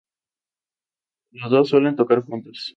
Los enfrentamientos callejeros duraron tres días.